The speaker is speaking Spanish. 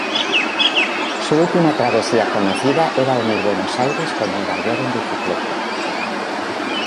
Su última travesía conocida era unir Buenos Aires con Nueva York en bicicleta.